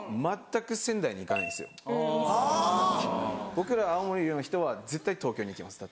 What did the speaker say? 僕ら青森の人は絶対東京に行きますだったら。